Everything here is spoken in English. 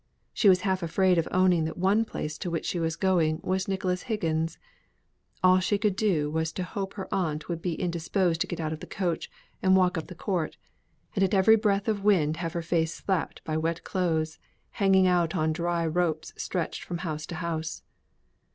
She was half afraid of owning that one place to which she was going was Nicholas Higgins'; all she could do was to hope her aunt would be indisposed to get out of the coach and walk up the court, and at every breath of wind have her face slapped by wet clothes, hanging out to dry on ropes stretched from house to house.